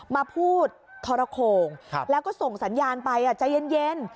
มาพูดทรโข่งแล้วก็ส่งสัญญาณไปใจเย็น